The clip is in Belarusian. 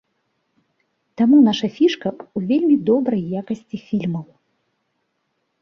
Таму наша фішка ў вельмі добрай якасці фільмаў.